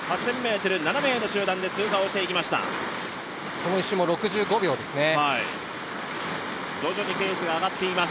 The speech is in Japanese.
この１周も６５秒ですね。